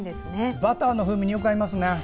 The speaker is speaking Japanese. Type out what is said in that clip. バターの風味によく合います。